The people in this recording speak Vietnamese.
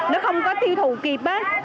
nó không có tiêu thụ kịp